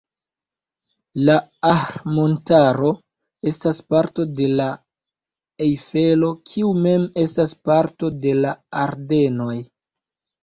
La Ahr-montaro estas parto de la Ejfelo, kiu mem estas parto de la Ardenoj.